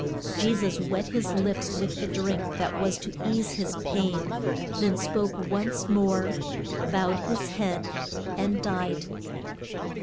Je sus wet his lips with the drink that was to ease his pain, then spoke once more, bowed his head and died.